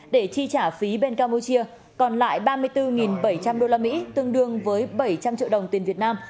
để chi trả phí bên campuchia còn lại ba mươi bốn bảy trăm linh usd tương đương với bảy trăm linh triệu đồng tiền việt nam